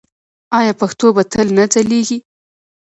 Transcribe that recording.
آیا پښتو به تل نه ځلیږي؟